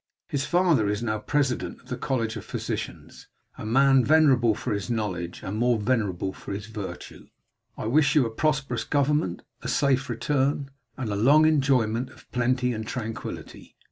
His father is now President of the College of Physicians, a man venerable for his knowledge, and more venerable for his virtue. I wish you a prosperous government, a safe return, and a long enjoyment of plenty and tranquillity.